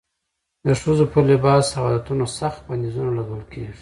د ښځو پر لباس او عادتونو سخت بندیزونه لګول کېږي.